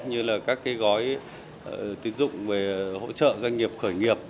như là các gói tiến dụng về hỗ trợ doanh nghiệp khởi nghiệp